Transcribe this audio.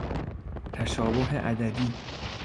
تشابه عددی